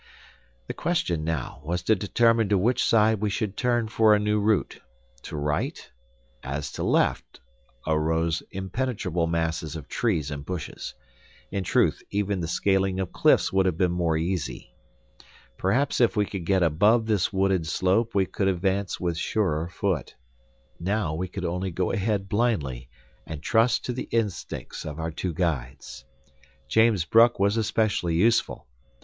The question now was to determine to which side we should turn for a new route; to right, as to left, arose impenetrable masses of trees and bushes. In truth even the scaling of cliffs would have been more easy. Perhaps if we could get above this wooded slope we could advance with surer foot. Now, we could only go ahead blindly, and trust to the instincts of our two guides. James Bruck was especially useful.